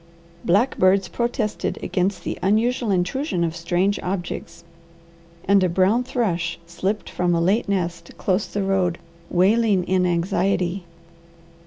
Blackbirds protested against the unusual intrusion of strange objects, and a brown thrush slipped from a late nest close the road wailing in anxiety.